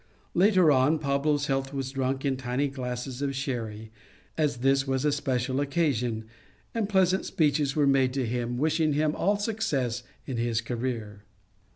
Later on, Pablo's health was drunk in tiny glasses of sherry, as this was a special occasion, and pleasant speeches were made to him, wishing him all success in his career.